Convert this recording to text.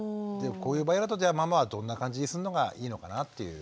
こういう場合だとじゃあママはどんな感じにするのがいいのかなという。